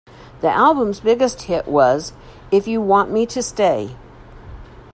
The album's biggest hit was "If You Want Me to Stay".